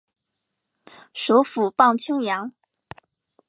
首府磅清扬。